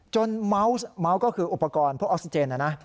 เมาส์เมาส์ก็คืออุปกรณ์พวกออกซิเจนนะนะ